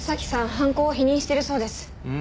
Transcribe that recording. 犯行を否認しているそうです。